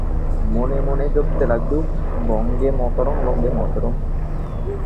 মনে মনে জপতে লাগলুম, বন্দেমাতরং, বন্দেমাতরং!